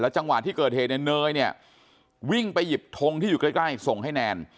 จังหวะที่เกิดเหตุเนี่ยเนยเนี่ยวิ่งไปหยิบทงที่อยู่ใกล้ส่งให้แนน